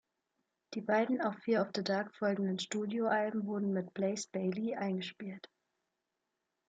Die beiden auf "Fear of the Dark" folgenden Studioalben wurden mit Blaze Bayley eingespielt.